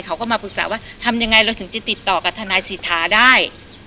เขาก็มาปรึกษาว่าทำยังไงเราถึงจะติดต่อกับทนายสิทธาได้